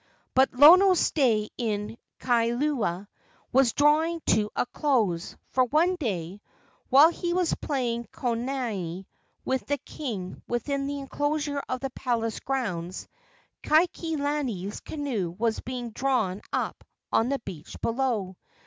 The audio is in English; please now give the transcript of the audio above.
But Lono's stay in Kailua was drawing to a close, for one day, while he was playing konane with the king within the enclosure of the palace grounds, Kaikilani's canoe was being drawn up on the beach below.